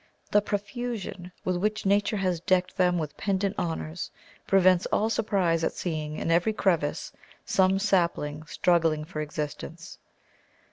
The profusion with which Nature has decked them with pendant honours, prevents all surprise at seeing in every crevice some sapling struggling for existence.